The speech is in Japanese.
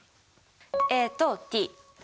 ＡとＴ。